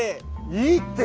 いいって！